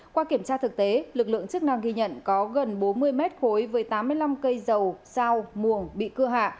qua kiểm tra thực tế lực lượng chức năng ghi nhận có gần bốn mươi mét khối với tám mươi năm cây dầu sao muồng bị cưa hạ